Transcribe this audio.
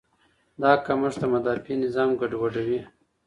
دا کمښت د مدافع نظام ګډوډوي.